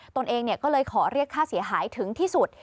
ตัวเองก็เลยขอเรียกค่าเสียหายถึงที่สุด